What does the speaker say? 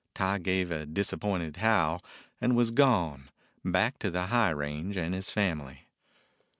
Tige gave a disappointed howl, and was gone, back to the high range and his family.